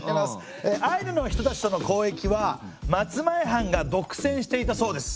アイヌの人たちとの交易は松前藩が独占していたそうです。